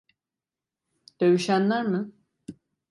Dövüşenler mi?